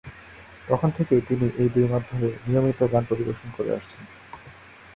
তখন থেকেই তিনি এই দুই মাধ্যমে নিয়মিত গান পরিবেশন করে আসছেন।